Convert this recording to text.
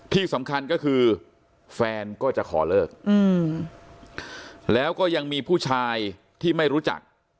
ที่สำคัญก็คือแฟนก็จะขอเลิกแล้วก็ยังมีผู้ชายที่ไม่รู้จัก